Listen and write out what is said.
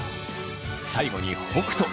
最後に北斗。